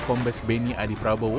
kombes beni adi prabowo